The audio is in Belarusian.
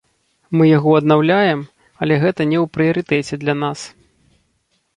Мы яго аднаўляем, але гэта не ў прыярытэце для нас.